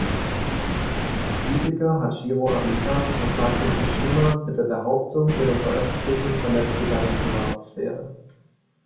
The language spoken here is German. Der Politiker Hachiro Arita verklagte Mishima mit der Behauptung, ihre Veröffentlichung verletze seine Privatsphäre.